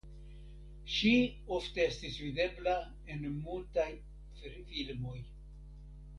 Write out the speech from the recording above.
Ŝi ofte estis videbla en mutaj filmoj.